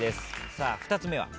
さあ２つ目は？